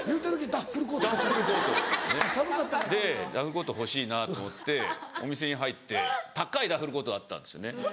ダッフルコート。でダッフルコート欲しいなと思ってお店に入って高いダッフルコートがあったんですよね。